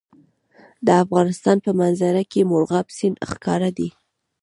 د افغانستان په منظره کې مورغاب سیند ښکاره دی.